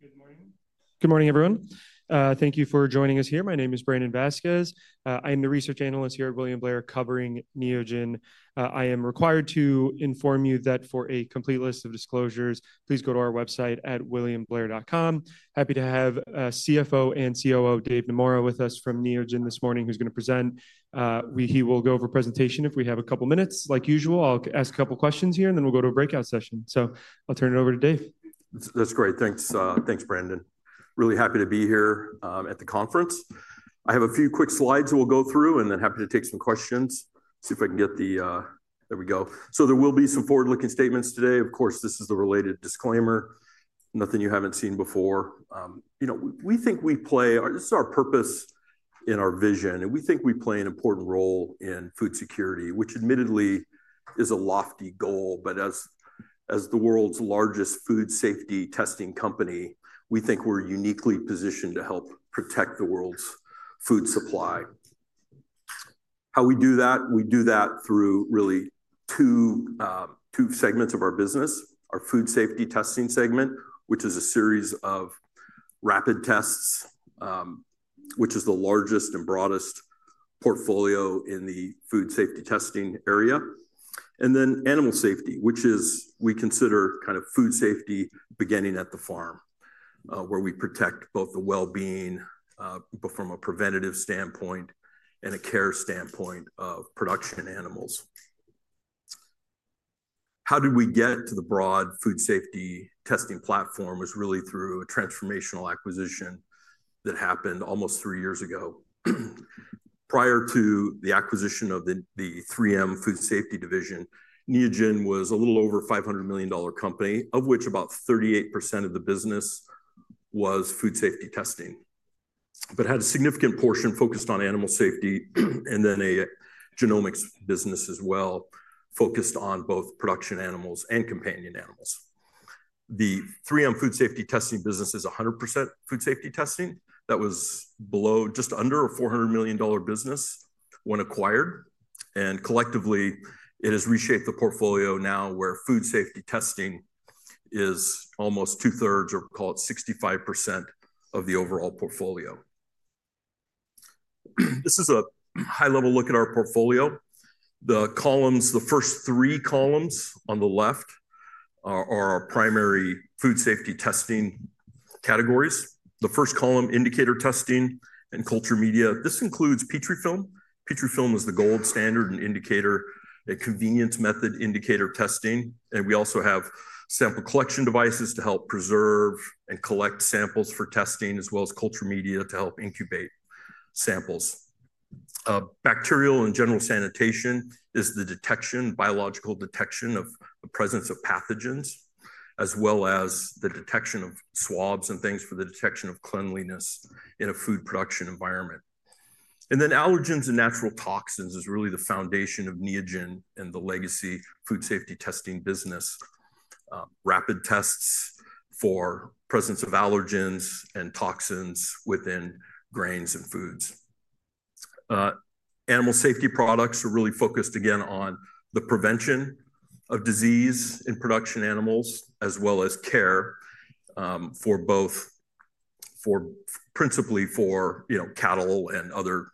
Good morning. Good morning, everyone. Thank you for joining us here. My name is Brandon Vazquez. I am the research analyst here at William Blair covering Neogen. I am required to inform you that for a complete list of disclosures, please go to our website at williamblair.com. Happy to have CFO and COO Dave Naemura with us from Neogen this morning, who's going to present. He will go over a presentation if we have a couple of minutes. Like usual, I'll ask a couple of questions here, and then we'll go to a breakout session. I will turn it over to Dave. That's great. Thanks, Brandon. Really happy to be here at the conference. I have a few quick slides we'll go through, and then happy to take some questions. See if I can get the—there we go. There will be some forward-looking statements today. Of course, this is the related disclaimer. Nothing you haven't seen before. We think we play—this is our purpose in our vision. We think we play an important role in food security, which admittedly is a lofty goal. As the world's largest food safety testing company, we think we're uniquely positioned to help protect the world's food supply. How we do that? We do that through really two segments of our business: our food safety testing segment, which is a series of rapid tests, which is the largest and broadest portfolio in the food safety testing area, and then animal safety, which is we consider kind of food safety beginning at the farm, where we protect both the well-being from a preventative standpoint and a care standpoint of production animals. How did we get to the broad food safety testing platform? It was really through a transformational acquisition that happened almost three years ago. Prior to the acquisition of the 3M Food Safety Division, Neogen was a little over a $500 million company, of which about 38% of the business was food safety testing, but had a significant portion focused on animal safety and then a genomics business as well, focused on both production animals and companion animals. The 3M Food Safety Testing business is 100% food safety testing. That was just under a $400 million business when acquired. Collectively, it has reshaped the portfolio now where food safety testing is almost 2/3, or call it 65% of the overall portfolio. This is a high-level look at our portfolio. The first three columns on the left are our primary food safety testing categories. The first column, indicator testing and culture media. This includes PetriFilm. PetriFilm is the gold standard and indicator, a convenience method indicator testing. We also have sample collection devices to help preserve and collect samples for testing, as well as culture media to help incubate samples. Bacterial and general sanitation is the biological detection of the presence of pathogens, as well as the detection of swabs and things for the detection of cleanliness in a food production environment. Allergens and natural toxins is really the foundation of Neogen and the legacy food safety testing business: rapid tests for presence of allergens and toxins within grains and foods. Animal safety products are really focused, again, on the prevention of disease in production animals, as well as care for principally cattle and other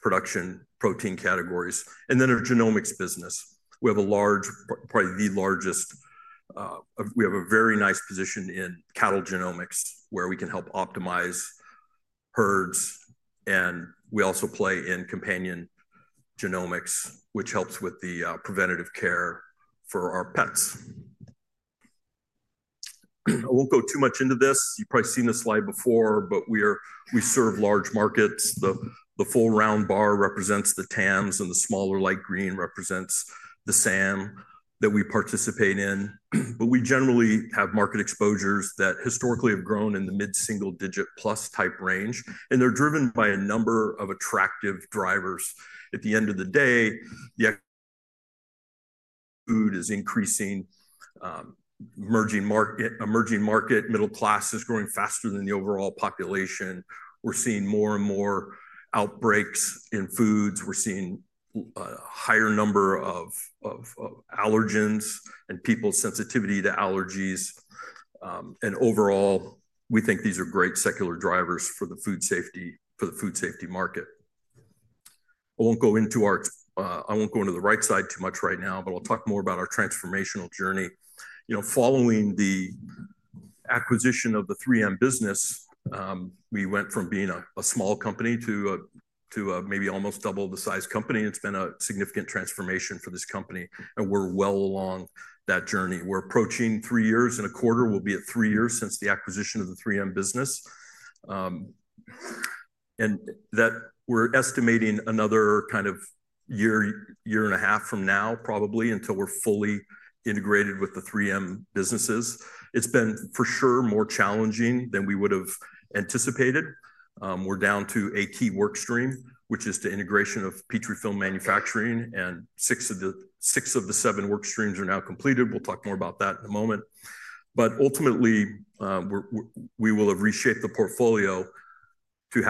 production protein categories. Our genomics business, we have a large, probably the largest. We have a very nice position in cattle genomics, where we can help optimize herds. We also play in companion genomics, which helps with the preventative care for our pets. I won't go too much into this. You've probably seen this slide before, but we serve large markets. The full round bar represents the TAMs, and the smaller light green represents the segment that we participate in. We generally have market exposures that historically have grown in the mid-single-digit plus type range. They are driven by a number of attractive drivers. At the end of the day, food is increasing. Emerging market middle class is growing faster than the overall population. We are seeing more and more outbreaks in foods. We are seeing a higher number of allergens and people's sensitivity to allergies. Overall, we think these are great secular drivers for the food safety market. I will not go into our—I will not go into the right side too much right now, but I will talk more about our transformational journey. Following the acquisition of the 3M business, we went from being a small company to maybe almost double the size company. It has been a significant transformation for this company. We are well along that journey. We are approaching three years and a quarter. We'll be at three years since the acquisition of the 3M business. We're estimating another kind of year and a half from now, probably, until we're fully integrated with the 3M businesses. It's been, for sure, more challenging than we would have anticipated. We're down to a key workstream, which is the integration of PetriFilm manufacturing. Six of the seven workstreams are now completed. We'll talk more about that in a moment. Ultimately, we will have reshaped the portfolio to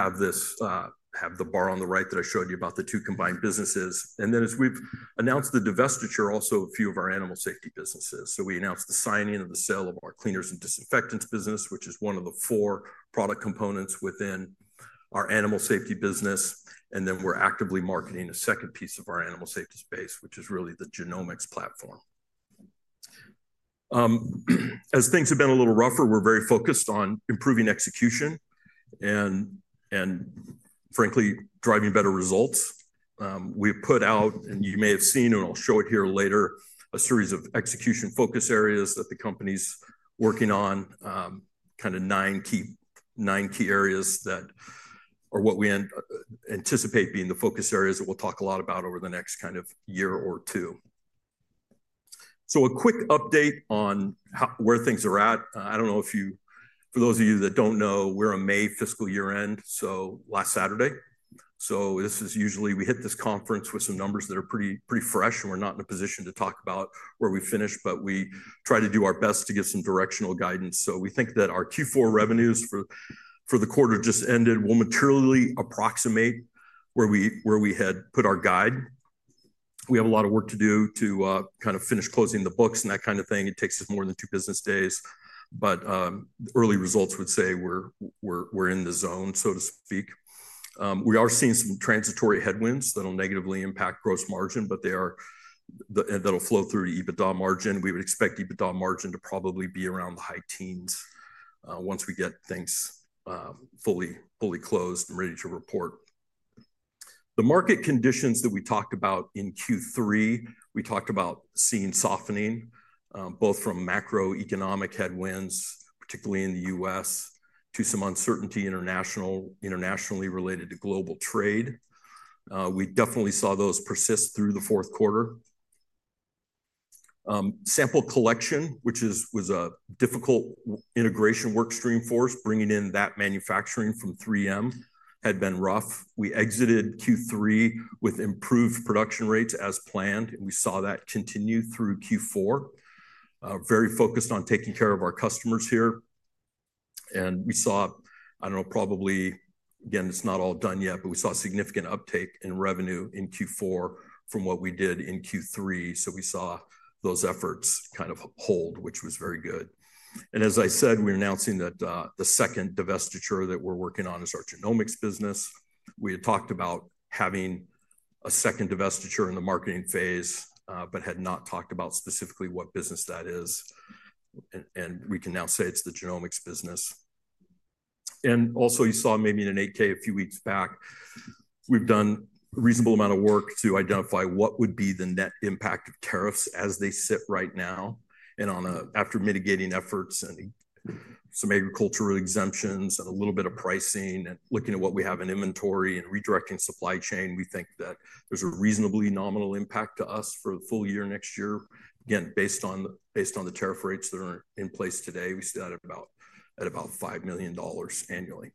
have the bar on the right that I showed you about the two combined businesses. As we've announced the divestiture, also a few of our animal safety businesses. We announced the signing of the sale of our Cleaners and Disinfectants business, which is one of the four product components within our animal safety business. We're actively marketing a second piece of our animal safety space, which is really the genomics platform. As things have been a little rougher, we're very focused on improving execution and, frankly, driving better results. We have put out, and you may have seen, and I'll show it here later, a series of execution focus areas that the company's working on, kind of nine key areas that are what we anticipate being the focus areas that we'll talk a lot about over the next year or two. A quick update on where things are at. I don't know if you—for those of you that don't know, we're a May fiscal year-end, so last Saturday. This is usually—we hit this conference with some numbers that are pretty fresh, and we're not in a position to talk about where we finished, but we try to do our best to give some directional guidance. We think that our Q4 revenues for the quarter just ended will materially approximate where we had put our guide. We have a lot of work to do to kind of finish closing the books and that kind of thing. It takes us more than two business days. Early results would say we're in the zone, so to speak. We are seeing some transitory headwinds that will negatively impact gross margin, but they are—that'll flow through to EBITDA margin. We would expect EBITDA margin to probably be around the high teens once we get things fully closed and ready to report. The market conditions that we talked about in Q3, we talked about seeing softening, both from macroeconomic headwinds, particularly in the U.S., to some uncertainty internationally related to global trade. We definitely saw those persist through the fourth quarter. Sample collection, which was a difficult integration workstream for us, bringing in that manufacturing from 3M, had been rough. We exited Q3 with improved production rates as planned, and we saw that continue through Q4. Very focused on taking care of our customers here. We saw—I don't know, probably, again, it's not all done yet, but we saw significant uptake in revenue in Q4 from what we did in Q3. We saw those efforts kind of hold, which was very good. As I said, we're announcing that the second divestiture that we're working on is our genomics business. We had talked about having a second divestiture in the marketing phase, but had not talked about specifically what business that is. We can now say it's the genomics business. You saw maybe in an 8K a few weeks back, we've done a reasonable amount of work to identify what would be the net impact of tariffs as they sit right now. After mitigating efforts and some agricultural exemptions and a little bit of pricing and looking at what we have in inventory and redirecting supply chain, we think that there's a reasonably nominal impact to us for the full year next year. Again, based on the tariff rates that are in place today, we still at about $5 million annually.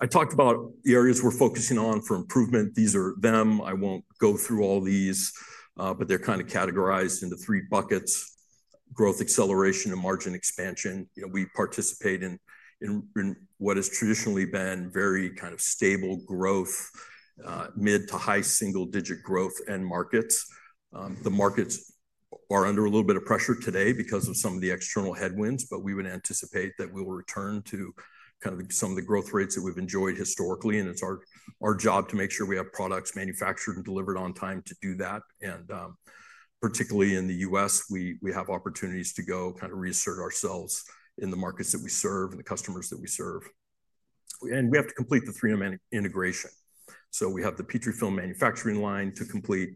I talked about the areas we're focusing on for improvement. These are them. I won't go through all these, but they're kind of categorized into three buckets: growth acceleration and margin expansion. We participate in what has traditionally been very kind of stable growth, mid to high single-digit growth, and markets. The markets are under a little bit of pressure today because of some of the external headwinds, but we would anticipate that we will return to kind of some of the growth rates that we've enjoyed historically. It is our job to make sure we have products manufactured and delivered on time to do that. Particularly in the U.S., we have opportunities to go kind of reassert ourselves in the markets that we serve and the customers that we serve. We have to complete the 3M integration. We have the PetriFilm manufacturing line to complete.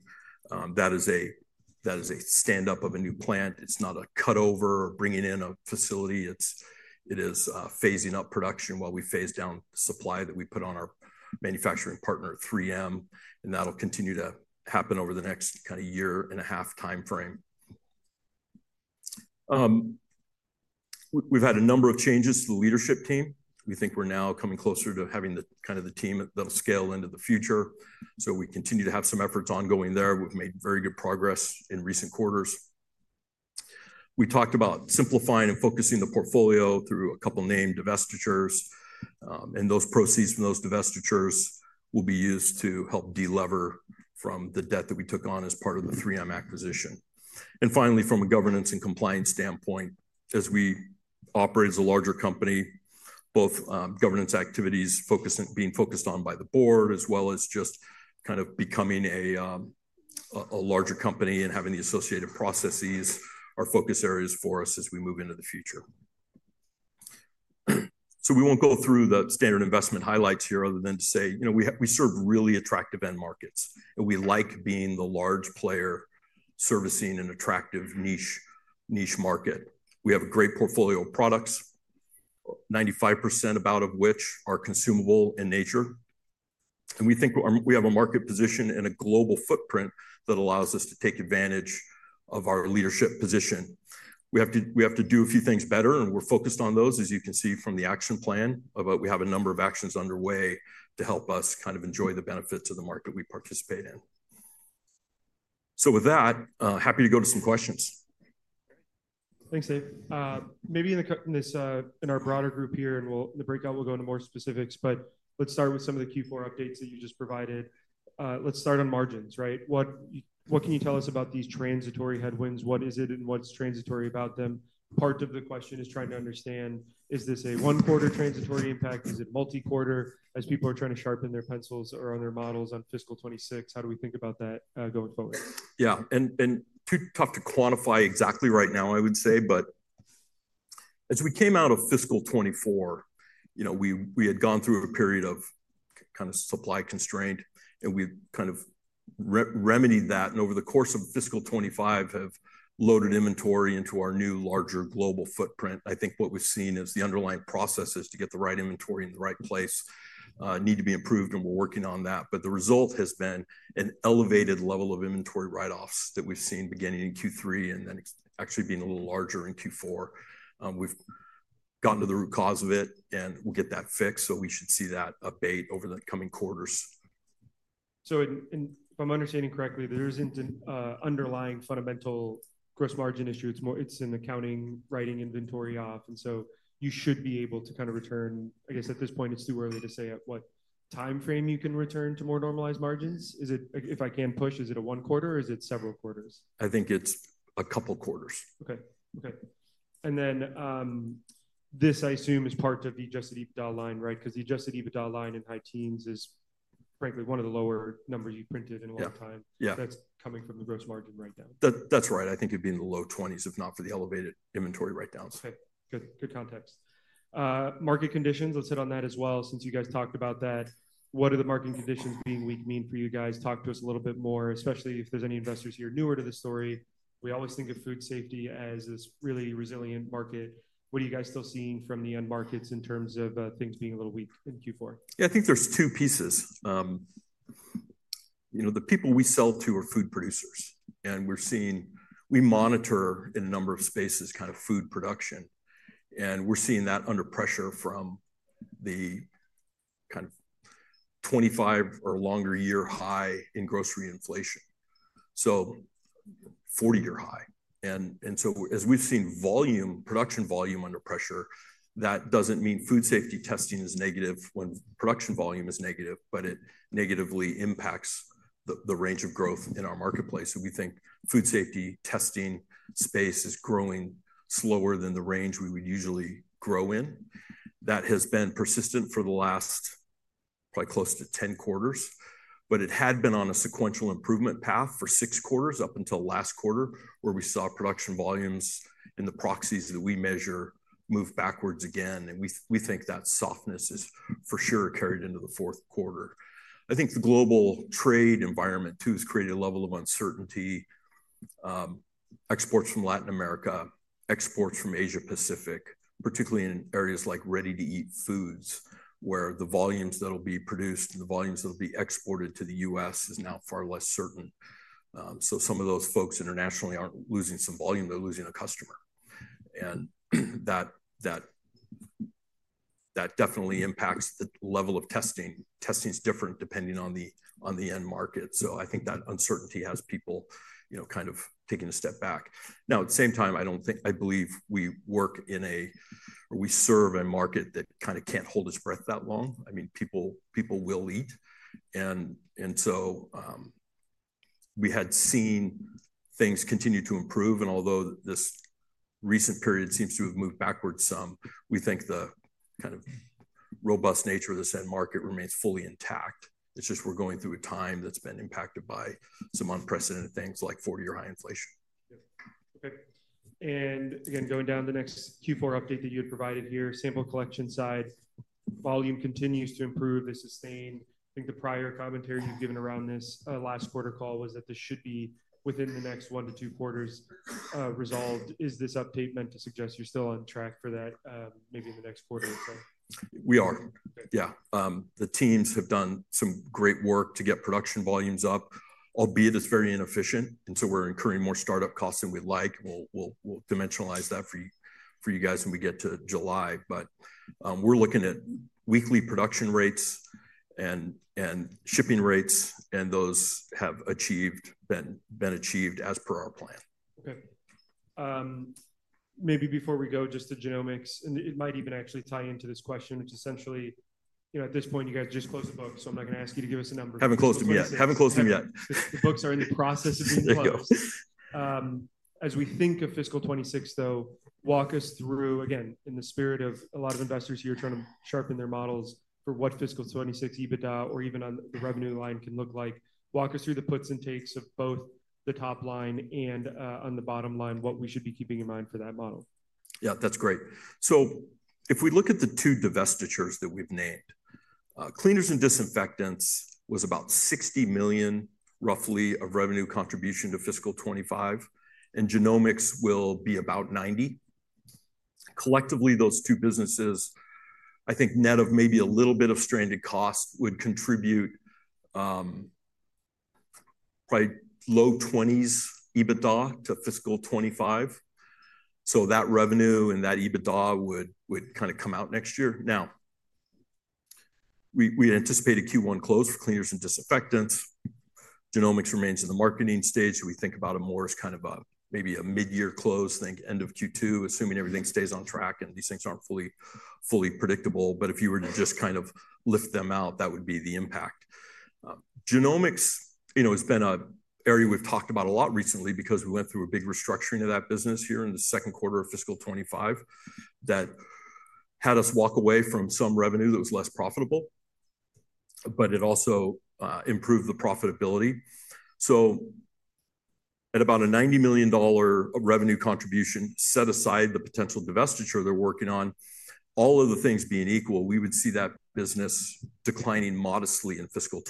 That is a stand-up of a new plant. It's not a cutover or bringing in a facility. It is phasing up production while we phase down the supply that we put on our manufacturing partner, 3M. That will continue to happen over the next kind of year and a half timeframe. We've had a number of changes to the leadership team. We think we're now coming closer to having kind of the team that'll scale into the future. We continue to have some efforts ongoing there. We've made very good progress in recent quarters. We talked about simplifying and focusing the portfolio through a couple of named divestitures. Those proceeds from those divestitures will be used to help delever from the debt that we took on as part of the 3M acquisition. Finally, from a governance and compliance standpoint, as we operate as a larger company, both governance activities being focused on by the board, as well as just kind of becoming a larger company and having the associated processes, are focus areas for us as we move into the future. We will not go through the standard investment highlights here other than to say we serve really attractive end markets. We like being the large player servicing an attractive niche market. We have a great portfolio of products, about 95% of which are consumable in nature. We think we have a market position and a global footprint that allows us to take advantage of our leadership position. We have to do a few things better, and we are focused on those, as you can see from the action plan. We have a number of actions underway to help us kind of enjoy the benefits of the market we participate in. With that, happy to go to some questions. Thanks, Dave. Maybe in our broader group here, and the breakout will go into more specifics, but let's start with some of the Q4 updates that you just provided. Let's start on margins, right? What can you tell us about these transitory headwinds? What is it and what's transitory about them? Part of the question is trying to understand, is this a one-quarter transitory impact? Is it multi-quarter as people are trying to sharpen their pencils or on their models on fiscal 2026? How do we think about that going forward? Yeah. Too tough to quantify exactly right now, I would say. As we came out of fiscal 2024, we had gone through a period of kind of supply constraint, and we have kind of remedied that. Over the course of fiscal 2025, have loaded inventory into our new larger global footprint. I think what we have seen is the underlying processes to get the right inventory in the right place need to be improved, and we are working on that. The result has been an elevated level of inventory write-offs that we have seen beginning in Q3 and then actually being a little larger in Q4. We have gotten to the root cause of it, and we will get that fixed. We should see that abate over the coming quarters. If I'm understanding correctly, there isn't an underlying fundamental gross margin issue. It's in the accounting, writing inventory off. You should be able to kind of return, I guess at this point, it's too early to say at what timeframe you can return to more normalized margins. If I can push, is it a one-quarter or is it several quarters? I think it's a couple quarters. Okay. Okay. And then this, I assume, is part of the just EBITDA line, right? Because the just EBITDA line in high teens is, frankly, one of the lower numbers you've printed in a long time. Yeah. That's coming from the gross margin right now. That's right. I think it'd be in the low 20s if not for the elevated inventory write-downs. Okay. Good context. Market conditions, let's hit on that as well. Since you guys talked about that, what do the market conditions being weak mean for you guys? Talk to us a little bit more, especially if there's any investors here newer to the story. We always think of food safety as this really resilient market. What are you guys still seeing from the end markets in terms of things being a little weak in Q4? Yeah, I think there's two pieces. The people we sell to are food producers. We're seeing, we monitor in a number of spaces, kind of food production. We're seeing that under pressure from the kind of 25 or longer year high in grocery inflation, so 40-year high. As we've seen production volume under pressure, that doesn't mean food safety testing is negative when production volume is negative, but it negatively impacts the range of growth in our marketplace. We think food safety testing space is growing slower than the range we would usually grow in. That has been persistent for the last probably close to 10 quarters. It had been on a sequential improvement path for six quarters up until last quarter, where we saw production volumes in the proxies that we measure move backwards again. We think that softness is for sure carried into the fourth quarter. I think the global trade environment, too, has created a level of uncertainty. Exports from Latin America, exports from Asia-Pacific, particularly in areas like ready-to-eat foods, where the volumes that will be produced and the volumes that will be exported to the U.S. is now far less certain. Some of those folks internationally are not losing some volume. They are losing a customer. That definitely impacts the level of testing. Testing is different depending on the end market. I think that uncertainty has people kind of taking a step back. At the same time, I believe we work in a or we serve a market that kind of cannot hold its breath that long. I mean, people will eat. We had seen things continue to improve. Although this recent period seems to have moved backwards some, we think the kind of robust nature of this end market remains fully intact. It is just we are going through a time that has been impacted by some unprecedented things like 40-year high inflation. Yeah. Okay. Again, going down the next Q4 update that you had provided here, sample collection side, volume continues to improve. They sustain. I think the prior commentary you've given around this last quarter call was that this should be within the next one to two quarters resolved. Is this update meant to suggest you're still on track for that maybe in the next quarter or so? We are. Yeah. The teams have done some great work to get production volumes up, albeit it's very inefficient. We are incurring more startup costs than we'd like. We'll dimensionalize that for you guys when we get to July. We are looking at weekly production rates and shipping rates, and those have been achieved as per our plan. Okay. Maybe before we go, just the genomics, and it might even actually tie into this question, which essentially, at this point, you guys just closed the book. So I'm not going to ask you to give us a number. Haven't closed them yet. The books are in the process of being closed. There you go. As we think of fiscal 2026, though, walk us through, again, in the spirit of a lot of investors here trying to sharpen their models for what fiscal 2026 EBITDA or even on the revenue line can look like. Walk us through the puts and takes of both the top line and on the bottom line, what we should be keeping in mind for that model. Yeah, that's great. If we look at the two divestitures that we've named, Cleaners and Disinfectants was about $60 million, roughly, of revenue contribution to fiscal 2025. Genomics will be about $90 million. Collectively, those two businesses, I think net of maybe a little bit of stranded cost, would contribute probably low 20s EBITDA to fiscal 2025. That revenue and that EBITDA would kind of come out next year. Now, we anticipate a Q1 close for Cleaners and Disinfectants. Genomics remains in the marketing stage. We think about them more as kind of maybe a mid-year close, end of Q2, assuming everything stays on track and these things aren't fully predictable. If you were to just kind of lift them out, that would be the impact. Genomics has been an area we've talked about a lot recently because we went through a big restructuring of that business here in the second quarter of fiscal 2025 that had us walk away from some revenue that was less profitable, but it also improved the profitability. At about a $90 million revenue contribution, set aside the potential divestiture they're working on, all of the things being equal, we would see that business declining modestly in fiscal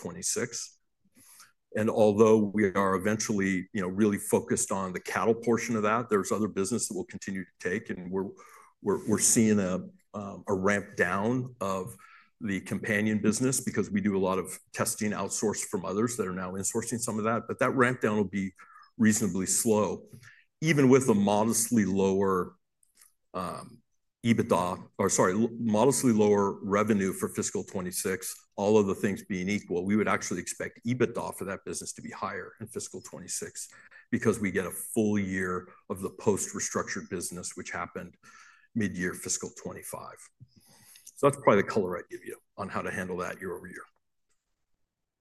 2026. Although we are eventually really focused on the cattle portion of that, there's other business that will continue to take. We're seeing a ramp down of the companion business because we do a lot of testing outsourced from others that are now insourcing some of that. That ramp down will be reasonably slow. Even with a modestly lower EBITDA or sorry, modestly lower revenue for fiscal 2026, all of the things being equal, we would actually expect EBITDA for that business to be higher in fiscal 2026 because we get a full year of the post-restructured business, which happened mid-year fiscal 2025. That is probably the color I would give you on how to handle that year over year.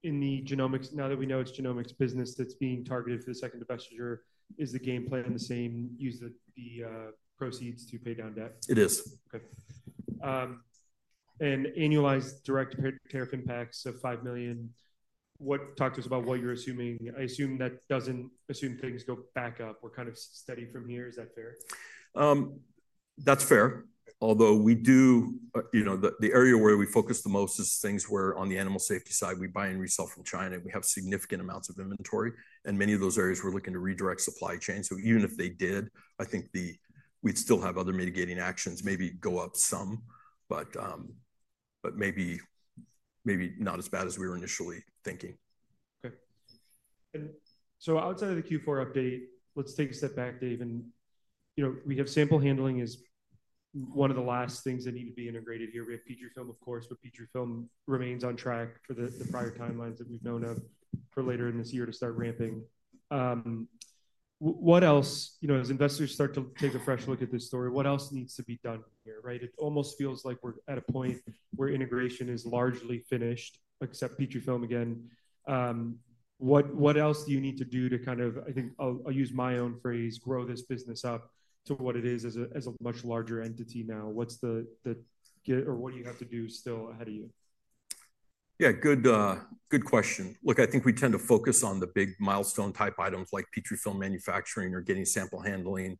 In the genomics, now that we know it's genomics business that's being targeted for the second divestiture, is the game plan the same? Use the proceeds to pay down debt? It is. Okay. And annualized direct tariff impacts of $5 million. Talk to us about what you're assuming. I assume that doesn't assume things go back up. We're kind of steady from here. Is that fair? That's fair. Although we do, the area where we focus the most is things where on the animal safety side, we buy and resell from China. We have significant amounts of inventory. And many of those areas we're looking to redirect supply chain. So even if they did, I think we'd still have other mitigating actions, maybe go up some, but maybe not as bad as we were initially thinking. Okay. Outside of the Q4 update, let's take a step back, Dave. We have sample handling as one of the last things that need to be integrated here. We have PetriFilm, of course, but PetriFilm remains on track for the prior timelines that we've known of for later in this year to start ramping. What else, as investors start to take a fresh look at this story, what else needs to be done here, right? It almost feels like we're at a point where integration is largely finished, except PetriFilm again. What else do you need to do to kind of, I think I'll use my own phrase, grow this business up to what it is as a much larger entity now? What do you have to do still ahead of you? Yeah, good question. Look, I think we tend to focus on the big milestone type items like PetriFilm manufacturing or getting sample handling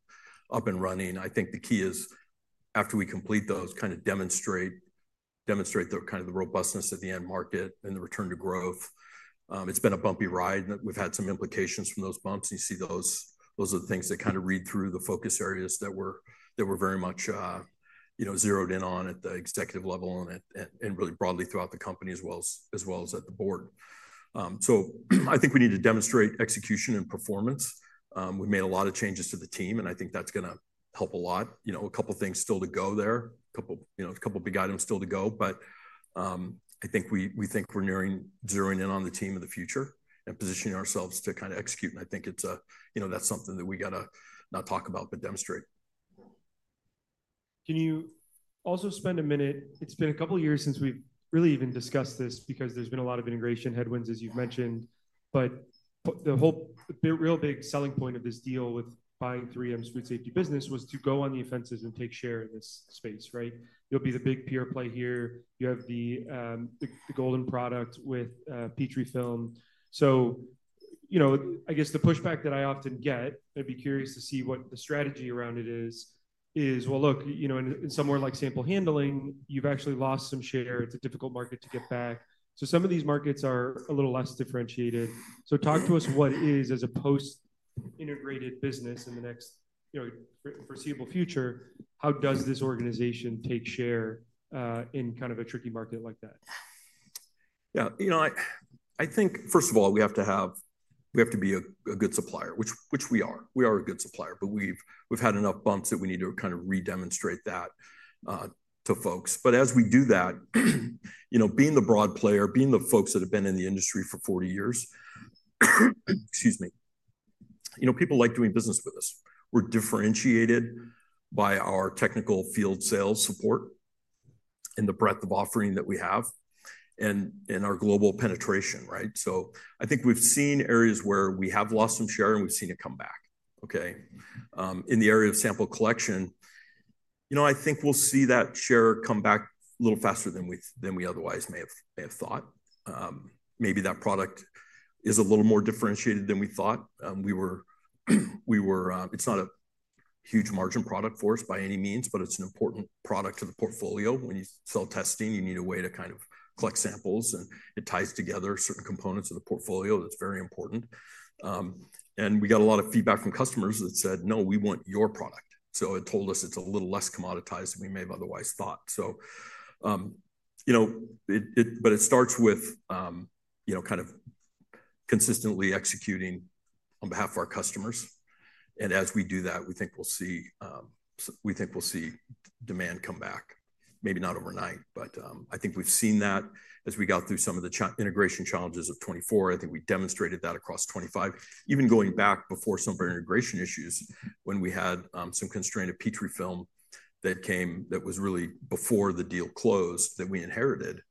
up and running. I think the key is after we complete those, kind of demonstrate the robustness of the end market and the return to growth. It's been a bumpy ride. We've had some implications from those bumps. You see those are the things that kind of read through the focus areas that we're very much zeroed in on at the executive level and really broadly throughout the company as well as at the board. I think we need to demonstrate execution and performance. We made a lot of changes to the team, and I think that's going to help a lot. A couple of things still to go there, a couple of big items still to go. I think we think we're zeroing in on the team in the future and positioning ourselves to kind of execute. I think that's something that we got to not talk about, but demonstrate. Can you also spend a minute? It's been a couple of years since we've really even discussed this because there's been a lot of integration headwinds, as you've mentioned. The real big selling point of this deal with buying 3M's Food Safety business was to go on the offensive and take share in this space, right? You'll be the big peer play here. You have the golden product with PetriFilm. I guess the pushback that I often get, I'd be curious to see what the strategy around it is, is, look, in somewhere like sample handling, you've actually lost some share. It's a difficult market to get back. Some of these markets are a little less differentiated. Talk to us what it is as a post-integrated business in the next foreseeable future. How does this organization take share in kind of a tricky market like that? Yeah. I think, first of all, we have to be a good supplier, which we are. We are a good supplier, but we've had enough bumps that we need to kind of redemonstrate that to folks. As we do that, being the broad player, being the folks that have been in the industry for 40 years, excuse me, people like doing business with us. We're differentiated by our technical field sales support and the breadth of offering that we have and our global penetration, right? I think we've seen areas where we have lost some share and we've seen it come back, okay? In the area of sample collection, I think we'll see that share come back a little faster than we otherwise may have thought. Maybe that product is a little more differentiated than we thought. It's not a huge margin product for us by any means, but it's an important product to the portfolio. When you sell testing, you need a way to kind of collect samples, and it ties together certain components of the portfolio that's very important. We got a lot of feedback from customers that said, "No, we want your product." It told us it's a little less commoditized than we may have otherwise thought. It starts with kind of consistently executing on behalf of our customers. As we do that, we think we'll see demand come back, maybe not overnight. I think we've seen that as we got through some of the integration challenges of 2024. I think we demonstrated that across 2025, even going back before some of our integration issues when we had some constraint of PetriFilm that came that was really before the deal closed that we inherited.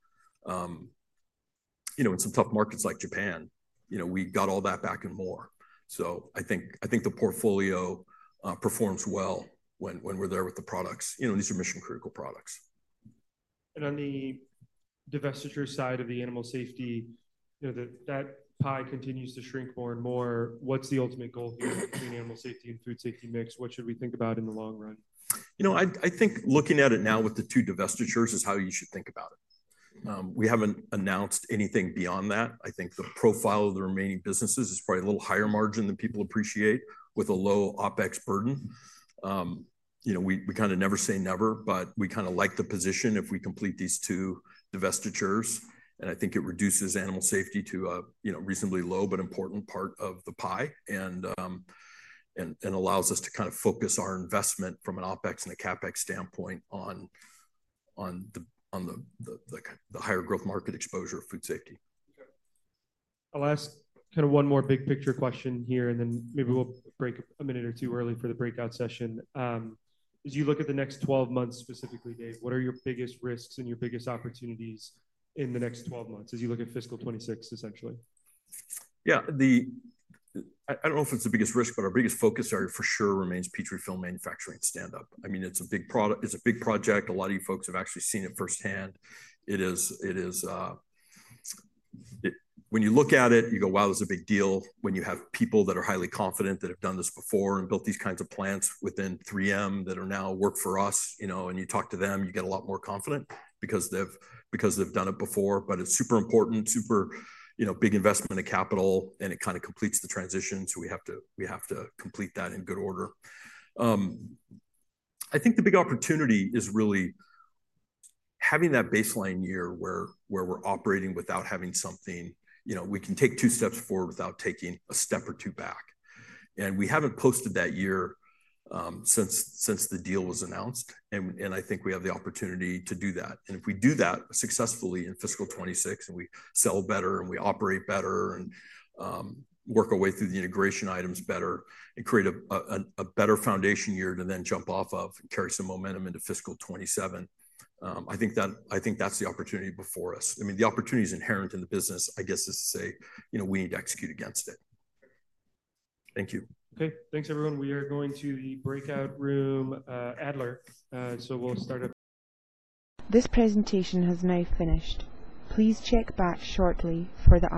In some tough markets like Japan, we got all that back and more. I think the portfolio performs well when we're there with the products. These are mission-critical products. On the divestiture side of the animal safety, that pie continues to shrink more and more. What's the ultimate goal here between animal safety and food safety mix? What should we think about in the long run? I think looking at it now with the two divestitures is how you should think about it. We haven't announced anything beyond that. I think the profile of the remaining businesses is probably a little higher margin than people appreciate with a low OpEx burden. We kind of never say never, but we kind of like the position if we complete these two divestitures. I think it reduces animal safety to a reasonably low but important part of the pie and allows us to kind of focus our investment from an OpEx and a CapEx standpoint on the higher growth market exposure of food safety. Okay. I'll ask kind of one more big picture question here, and then maybe we'll break a minute or two early for the breakout session. As you look at the next 12 months specifically, Dave, what are your biggest risks and your biggest opportunities in the next 12 months as you look at fiscal 2026, essentially? Yeah. I do not know if it is the biggest risk, but our biggest focus area for sure remains PetriFilm manufacturing standup. I mean, it is a big project. A lot of you folks have actually seen it firsthand. When you look at it, you go, "Wow, this is a big deal." When you have people that are highly confident that have done this before and built these kinds of plants within 3M that now work for us, and you talk to them, you get a lot more confident because they have done it before. It is super important, super big investment of capital, and it kind of completes the transition. We have to complete that in good order. I think the big opportunity is really having that baseline year where we are operating without having something. We can take two steps forward without taking a step or two back. We have not posted that year since the deal was announced. I think we have the opportunity to do that. If we do that successfully in fiscal 2026, and we sell better, and we operate better, and work our way through the integration items better, and create a better foundation year to then jump off of and carry some momentum into fiscal 2027, I think that is the opportunity before us. I mean, the opportunity is inherent in the business. I guess this is a we need to execute against it. Thank you. Okay. Thanks, everyone. We are going to the breakout room, Adler. So we'll start. This presentation has now finished. Please check back shortly for the.